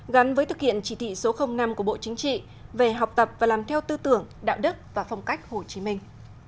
gắn với thực hiện chỉ thị số năm của bộ chính trị về học tập và làm theo tư tưởng đạo đức và phong cách hồ chí minh